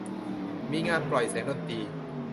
มีงานปล่อยแสงดนตรี